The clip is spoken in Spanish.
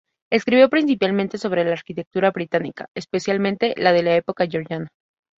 Escribió principalmente sobre la arquitectura británica, especialmente la de la Época georgiana.